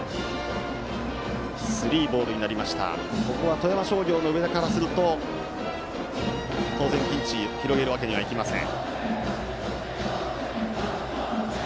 富山商業の上田からすると当然ピンチを広げるわけにはいきません。